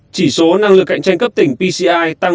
chỉ số năng lực cạnh tranh cấp tỉnh pci tăng